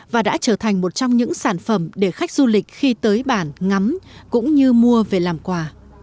và đã trở thành một trong những sản phẩm để khách du lịch khi tới bản ngắm cũng như mua về làm quà